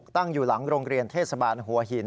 ตั้งอยู่หลังโรงเรียนเทศบาลหัวหิน